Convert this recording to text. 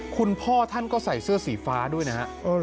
คุณพ่อท่านก็ใส่เสื้อสีฟ้าด้วยนะฮะ